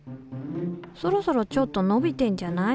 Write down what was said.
そろそろちょっと伸びてんじゃない？